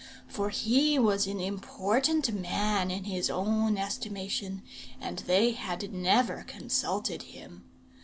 For he was an important man in his own estimation, and they had never consulted him.